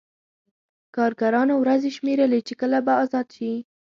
کارګرانو ورځې شمېرلې چې کله به ازاد شي